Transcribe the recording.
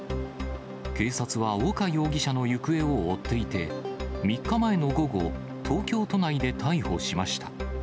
警察は丘容疑者の行方を追っていて、３日前の午後、東京都内で逮捕しました。